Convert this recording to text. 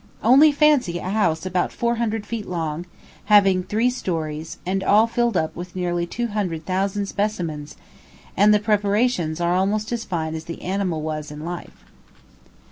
Only fancy a house about four hundred feet long, having three stories, and all filled up with nearly two hundred thousand specimens; and the preparations are almost as fine as the animal was in life.